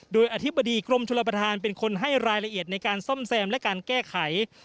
โดยอธิบดีกรมชลประธานเป็นคนให้รายละเอียดในการซ่อมแซมและการแก้ไข